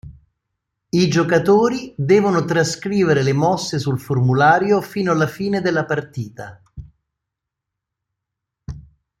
I giocatori devono trascrivere le mosse sul formulario fino alla fine della partita.